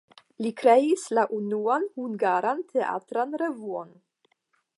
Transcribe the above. Li kreis la unuan hungaran teatran revuon.